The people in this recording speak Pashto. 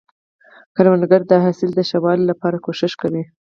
کروندګر د حاصل د ښه والي لپاره کوښښ کوي